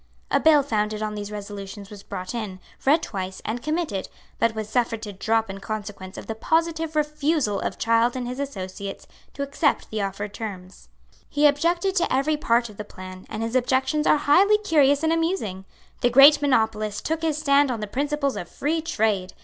A bill founded on these resolutions was brought in, read twice, and committed, but was suffered to drop in consequence of the positive refusal of Child and his associates to accept the offered terms. He objected to every part of the plan; and his objections are highly curious and amusing. The great monopolist took his stand on the principles of free trade.